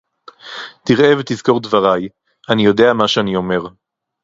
תראה ותזכור דבריי, אני יודע מה שאני אומר.